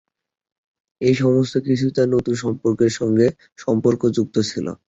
এই সমস্তকিছুই তার নতুন সম্পর্কের সঙ্গে সম্পর্কযুক্ত ছিল।